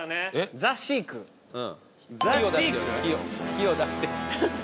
火を出して。